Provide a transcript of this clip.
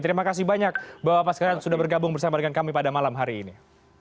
terima kasih banyak bapak sekarang sudah bergabung bersama dengan kami pada malam hari ini